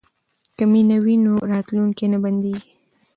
که مینه وي نو راتلونکی نه بندیږي.